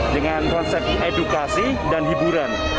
dengan konsep edukasi dan hiburan